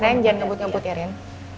ren jangan ngebut ngebut ya ren